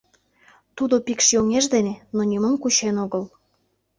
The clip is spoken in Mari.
Тудо пикш-йоҥеж дене, но нимом кучен огыл.